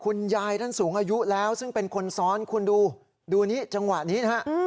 คุณยายท่านสูงอายุแล้วซึ่งเป็นคนซ้อนคุณดูดูนี้จังหวะนี้นะฮะ